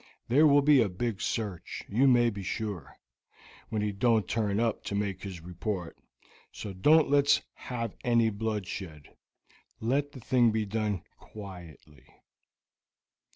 There will be a big search, you may be sure, when he don't turn up to make his report. So don't let's have any bloodshed. Let the thing be done quietly."